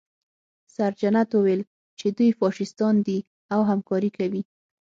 سرجنټ وویل چې دوی فاشیستان دي او همکاري کوي